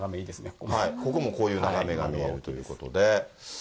ここもこういう眺めが見えるということで。